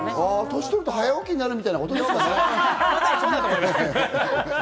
年取ると早起きなるみたいなもんですかね。